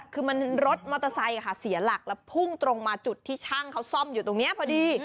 คือมันรถมอเตอร์ไซค์เสียหลักแล้วพุ่งตรงมาจุดที่ช่างเขาซ่อมอยู่ตรงนี้พอดี